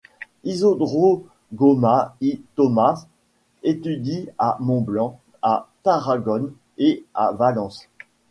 Isidro Gomá y Tomás étudie à Montblanc, à Tarragone et à Valence.